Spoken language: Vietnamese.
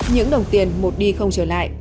những đồng tiền một đi không trở lại